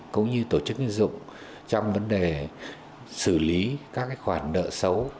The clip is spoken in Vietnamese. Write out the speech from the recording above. cũng như tổ chức tín dụng trong vấn đề xử lý các khoản nợ xấu